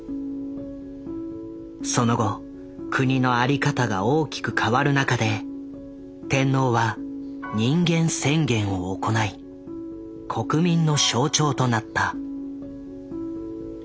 その後国の在り方が大きく変わる中で天皇は人間宣言を行い国民の象徴となった。